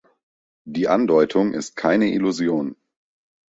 Die Andeutung ist keine Illusion.